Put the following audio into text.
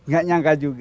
gak nyangka juga